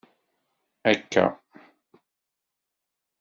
Akka.